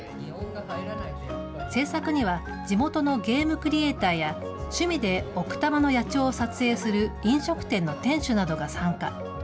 制作には、地元のゲームクリエーターや、趣味で奥多摩の野鳥を撮影する飲食店の店主などが参加。